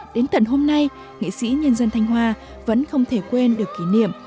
đến tận hôm nay nghệ sĩ nhân dân thanh hoa vẫn không thể quên được kỷ niệm